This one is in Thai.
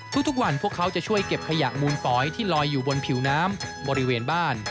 ทุกวันพวกเขาจะช่วยเก็บขยะมูลฝอยที่ลอยอยู่บนผิวน้ำบริเวณบ้าน